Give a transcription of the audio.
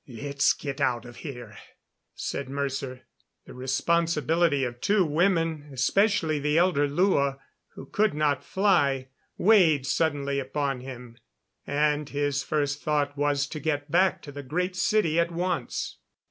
"Let's get out of here," said Mercer. The responsibility of two women, especially the elder Lua, who could not fly, weighed suddenly upon him, and his first thought was to get back to the Great City at once.